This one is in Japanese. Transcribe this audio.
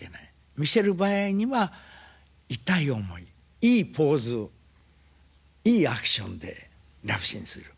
見せる場合には痛い思いいいポーズいいアクションでラブシーンする。